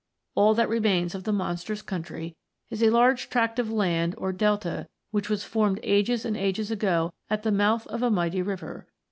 All that remains of the monsters' country is a large tract of land or delta which was formed ages and ages ago at the mouth of a mighty river.